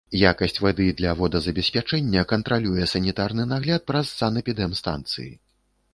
Якасць вады для водазабеспячэння кантралюе санітарны нагляд праз санэпідэмстанцыі.